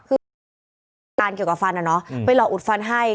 คืออุดฟันเกี่ยวกับฟันอะเนาะไปหลอกอุดฟันให้